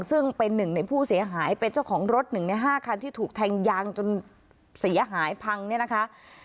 ซึ่งเป็นหนึ่งในผู้เสียหายเป็นเจ้าของรถ๑ใน๕คันที่ถูกแทงยางจนเสียหายพังเนี่ยนะคะ